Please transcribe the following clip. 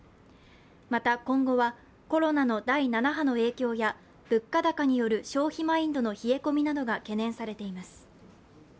また、今後はコロナの第７波の影響や物価高による消費マインドの冷え込みなどが懸念されています。